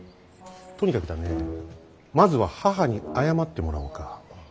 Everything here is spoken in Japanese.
とにかくだねまずは母に謝ってもらおうか。